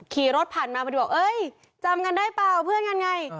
ขี่รถผ่านมามาดูบอกเอ้ยจำกันได้เปล่าเพื่อนกันไง